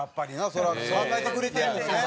そりゃ考えてくれてんのやね。